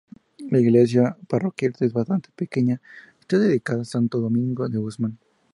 La iglesia parroquial es bastante pequeña, y está dedicada a Santo Domingo de Guzmán.